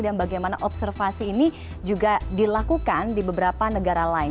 dan bagaimana observasi ini juga dilakukan di beberapa negara lain